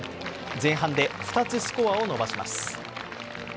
前半で２つスコアを伸ばします。